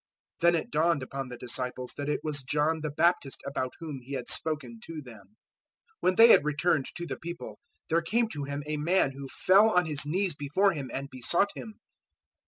017:013 Then it dawned upon the disciples that it was John the Baptist about whom He had spoken to them. 017:014 When they had returned to the people, there came to Him a man who fell on his knees before Him and besought Him.